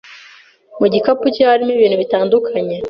Mu gikapu cye harimo ibintu bitandukanye